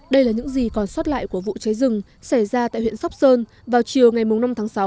đây là những gì còn sót lại của vụ cháy rừng xảy ra tại huyện sóc sơn vào chiều ngày năm tháng sáu